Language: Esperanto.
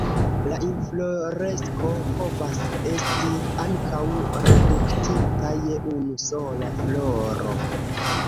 La infloresko povas esti ankaŭ reduktita je unu sola floro.